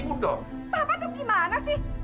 papa tuh gimana sih